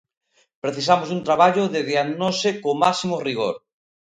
Precisamos dun traballo de diagnose co máximo rigor.